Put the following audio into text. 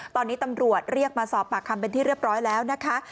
ตอนนี้ตำรวจเรียกมาสอบปากคำเป็นที่เรียบร้อยแล้วนะคะ